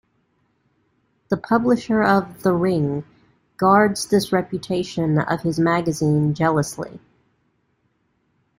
The publisher of "The Ring" guards this reputation of his magazine jealously.